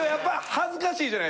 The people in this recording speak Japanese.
恥ずかしいよ。